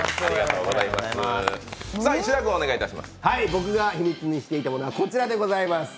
僕が秘密にしていたものは、こちらでございます。